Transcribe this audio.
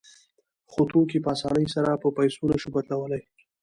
خو توکي په اسانۍ سره په پیسو نشو بدلولی